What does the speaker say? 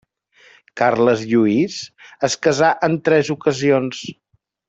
Carles Lluís es casà en tres ocasions.